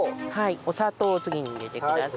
お砂糖を次に入れてください。